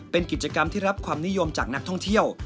เป็นกิจกรรมที่รับความนิยมจากนักท่องเที่ยว